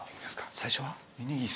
最初は？